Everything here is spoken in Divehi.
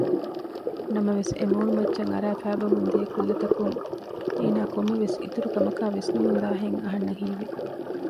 ނަމަވެސް އެމޫނުމައްޗަށް އަރައި ފައިބަމުން ދިޔަ ކުލަތަކުން އޭނާ ކޮންމެވެސް އިތުރު ކަމަކާ ވިސްނަމުންދާހެން އަހަންނަށް ހީވި